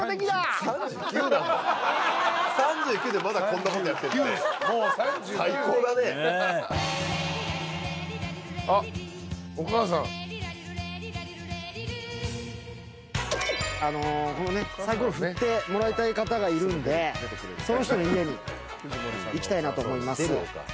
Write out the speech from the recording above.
このねさいころ振ってもらいたい方がいるんでその人の家に行きたいなと思います。